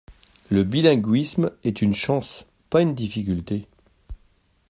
Le bilinguisme est une chance, pas une difficulté.